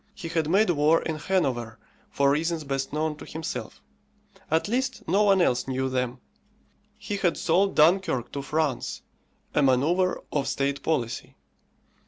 He had made war in Hanover for reasons best known to himself; at least, no one else knew them. He had sold Dunkirk to France, a manoeuvre of state policy.